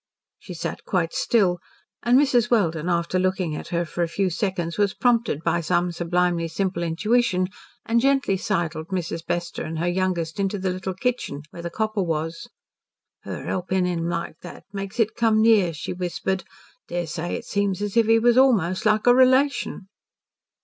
She sat quite still, and Mrs. Welden after looking at her for a few seconds was prompted by some sublimely simple intuition, and gently sidled Mrs. Bester and her youngest into the little kitchen, where the copper was. "Her helpin' him like she did, makes it come near," she whispered. "Dessay it seems as if he was a'most like a relation."